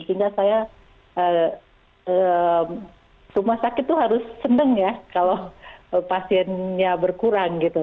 sehingga saya rumah sakit itu harus seneng ya kalau pasiennya berkurang gitu